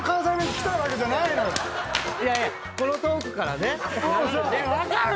いやいやこのトークからね流れで。